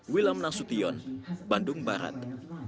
wilam nasution bandung barat